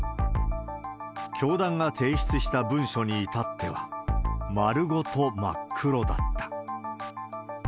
教団が提出した文書に至っては、丸ごと真っ黒だった。